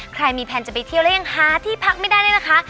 ใครมีแพลนจะไปเที่ยวแล้วยังหาที่พักไม่ได้เลยนะคะ